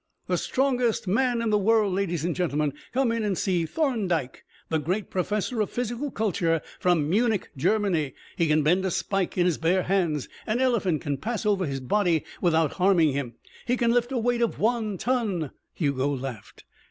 "The strongest man in the world, ladies and gentlemen, come in and see Thorndyke, the great professor of physical culture from Munich, Germany. He can bend a spike in his bare hands, an elephant can pass over his body without harming him, he can lift a weight of one ton...." Hugo laughed.